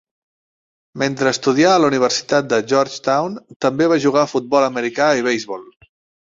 Mentre estudià a la Universitat de Georgetown també va jugar a futbol americà i beisbol.